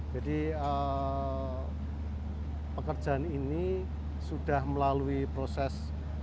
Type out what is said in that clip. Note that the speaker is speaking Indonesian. jadi pekerjaan ini sudah melalui proses